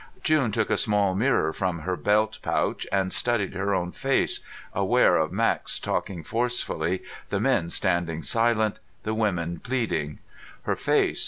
June took a small mirror from her belt pouch and studied her own face, aware of Max talking forcefully, the men standing silent, the women pleading. Her face